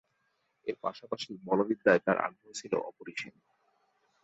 এর পাশাপাশি বলবিদ্যায় তাঁর আগ্রহ ছিল অপরিসীম।